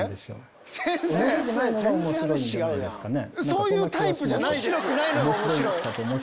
⁉そういうタイプじゃないです！